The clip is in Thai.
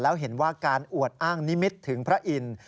แล้วเห็นว่าการอวดอ้างนิมิตถึงพระอินทร์